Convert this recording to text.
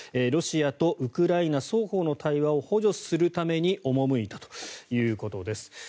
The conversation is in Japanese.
ロシアとウクライナ双方の対話を補助するために赴いたということです。